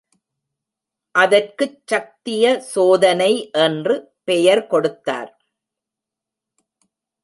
அதற்குச் சத்திய சோதனை என்று பெயர் கொடுத்தார்.